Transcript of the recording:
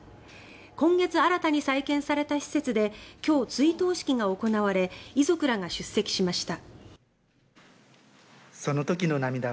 今月新たに再建された施設で今日、追悼式が行われ遺族らが出席しました。